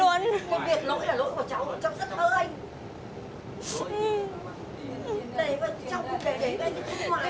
rồi xong rồi em để rồi xong xe lại để mọi người